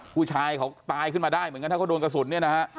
ผู้ชายเขาตายขึ้นมาได้เหมือนกันถ้าเขาโดนกระสุนเนี่ยนะฮะ